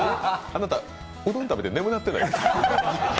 あなた、うどん食べて眠なってない？